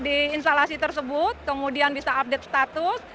di instalasi tersebut kemudian bisa update status